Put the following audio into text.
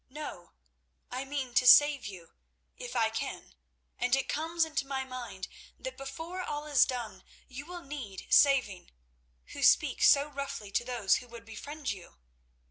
No; I mean to save you, if I can, and it comes into my mind that before all is done you will need saving, who speak so roughly to those who would befriend you.